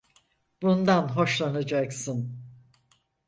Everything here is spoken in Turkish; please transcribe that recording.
Bundan hoşlanacaksın.